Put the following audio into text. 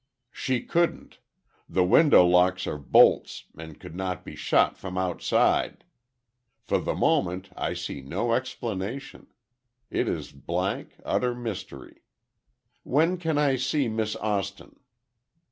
"She couldn't. The window locks are bolts, and could not be shot from outside. For the moment I see no explanation. It is blank, utter mystery. When can I see Miss Austin?"